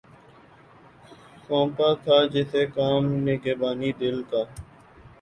سونپا تھا جسے کام نگہبانئ دل کا